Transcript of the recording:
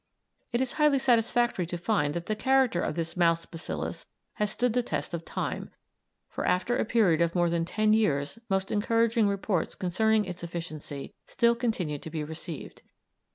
It is highly satisfactory to find that the character of this mouse bacillus has stood the test of time, for after a period of more than ten years most encouraging reports concerning its efficiency still continue to be received.